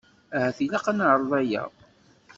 Ahat ilaq ad neεreḍ aya.